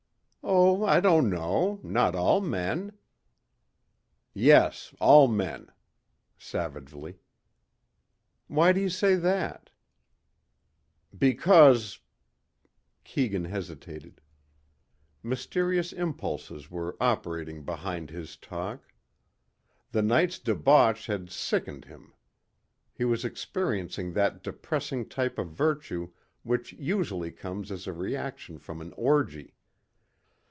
"Oh I don't know. Not all men." "Yes. All men." Savagely. "Why do you say that?" "Because " Keegan hesitated. Mysterious impulses were operating behind his talk. The night's debauch had sickened him. He was experiencing that depressing type of virtue which usually comes as a reaction from an orgy.